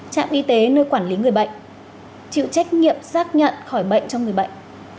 trạm y tế nơi quản lý người bệnh chịu trách nhiệm xác nhận khỏi bệnh cho người bệnh